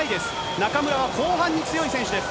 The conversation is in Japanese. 中村は後半に強い選手です。